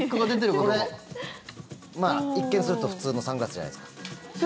これ、一見すると普通のサングラスじゃないですか。